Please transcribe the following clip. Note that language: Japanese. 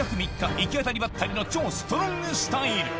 行き当たりばったりの超ストロングスタイル！